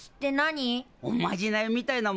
おまじないみたいなもんじゃ。